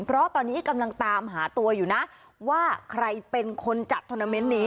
เพราะตอนนี้กำลังตามหาตัวอยู่นะว่าใครเป็นคนจัดทวนาเมนต์นี้